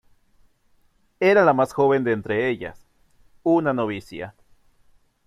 Era la más joven de entre ellas, una novicia.